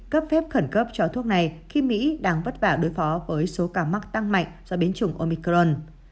cấp phép khẩn cấp cho thuốc này khi mỹ đang vất vả đối phó với số ca mắc tăng mạnh do biến chủng omicron